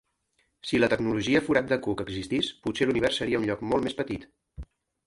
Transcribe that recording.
Si la tecnologia forat de cuc existís, potser l'univers seria un lloc molt més petit.